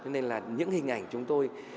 nên là những hình ảnh chúng tôi